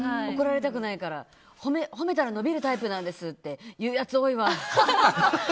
怒られたくないから褒めたら伸びるタイプなんですって言うやつ多いわ。